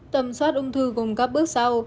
tầm soát ung thư cùng các bước sau